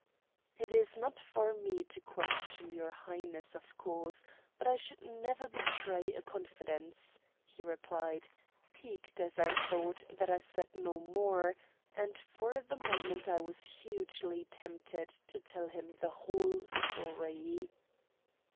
"It is not for me to question your Highness, of course, but I should never betray a confidence," he replied, piqued, as I thought, that I said no more; and for the moment I was hugely tempted to tell him the whole story.